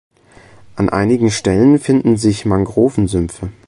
An einigen Stellen finden sich Mangrovensümpfe.